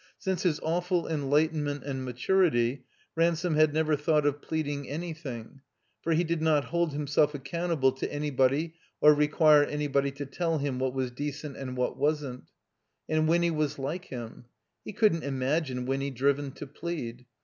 Since his awful enlightenment and maturity, Ran some had never thought of pleading anjrthing; for he did not hold himself accountable to anybody or require anybody to tell him what was decent and what wasn't. And Winny was like him. He couldn't imagine Winny driven to plead.